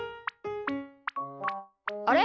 あれ？